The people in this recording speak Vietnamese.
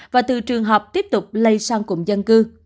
và từ trường hợp tiếp tục lây sang cùng dân cư